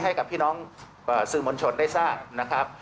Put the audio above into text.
ให้กับพี่น้องสื่อมนชนได้ซ่า